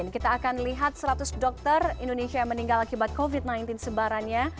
kita akan lihat seratus dokter indonesia yang meninggal akibat covid sembilan belas sebarannya